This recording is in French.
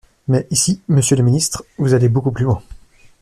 Mais ici, monsieur le ministre, vous allez beaucoup plus loin.